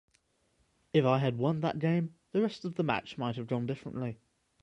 If I had won that game, the rest of the match might have gone differently.